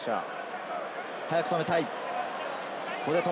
早く止めたい。